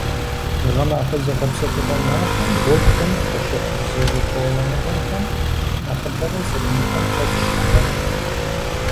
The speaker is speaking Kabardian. Гъэмахуэ зыгъэпсэхугъуэ махуэхэм гъуэгухэм къыщыхъу зэжьэхэуэныгъэхэм нэхъыбэрэ сабийхэм фэбжь щагъуэт.